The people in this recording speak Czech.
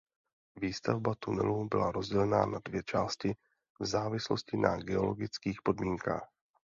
Výstavba tunelu byla rozdělena na dvě části v závislosti na geologických podmínkách.